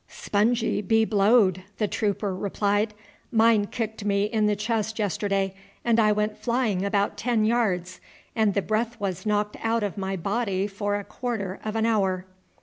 "Spongy, be blowed!" the trooper replied. "Mine kicked me in the chest yesterday and I went flying about ten yards, and the breath was knocked out of my body for a quarter of an hour."